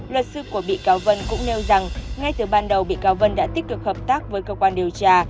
luật sư của bị cáo vân cũng nêu rằng ngay từ ban đầu bị cáo vân đã tích cực hợp tác với cơ quan điều tra